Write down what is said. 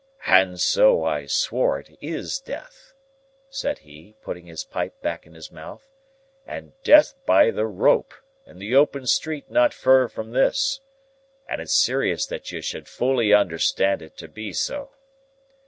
"And so I swear it is Death," said he, putting his pipe back in his mouth, "and Death by the rope, in the open street not fur from this, and it's serious that you should fully understand it to be so.